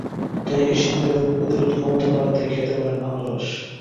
তাই এ সময়ে রোগ প্রতিরোধ ক্ষমতা বাড়াতে খেতে পারেন আনারস।